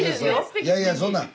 いやいやそんな。